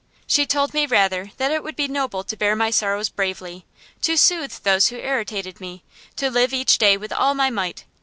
She told me rather that it would be noble to bear my sorrows bravely, to soothe those who irritated me, to live each day with all my might.